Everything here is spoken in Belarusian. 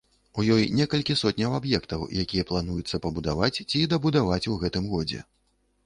У ёй некалькі сотняў аб'ектаў, якія плануецца пабудаваць ці дабудаваць у гэтым годзе.